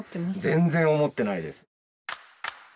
全然思ってないです